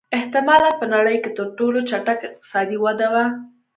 احتمالًا په نړۍ کې تر ټولو چټکه اقتصادي وده وه.